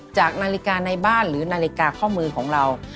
จากนาฬิกาในบ้านหรือนาฬิกาข้อมือของเรา